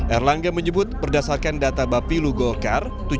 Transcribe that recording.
erlangga menyebut berdasarkan data bapilu golkar